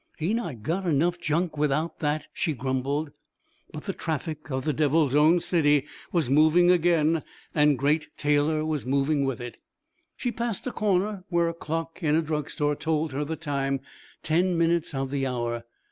"Ain't I got enough junk without that?" she grumbled. But the traffic of the Devil's Own city was moving again and Great Taylor was moving with it. She passed a corner where a clock in a drug store told her the time ten minutes of the hour.